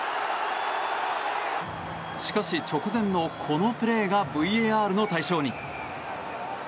しかし直前のこのプレーがＶＡＲの対象に。